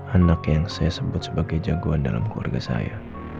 anak yang saya sebut sebagai jagoan dalam keluarga saya